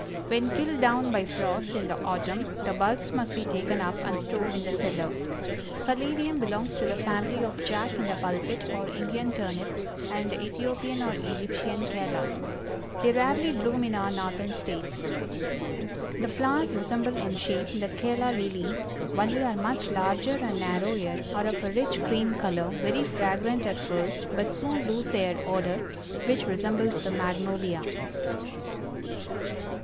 When killed down by frost in the autumn, the bulbs must be taken up and stored in the cellar. The Caladium belongs to the family of "Jack in the Pulpit," or Indian Turnip, and the Ethiopian or Egyptian Calla. They rarely bloom in our Northern States. The flowers resemble in shape the Calla Lily, only are much larger and narrower, are of a rich cream color, very fragrant at first, but soon lose their odor, which resembles the Magnolia.